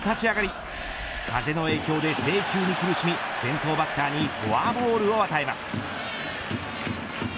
風の影響で制球に苦しみ先頭バッターにフォアボールを与えます。